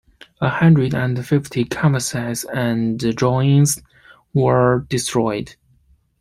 A hundred and fifty canvases and drawings were destroyed.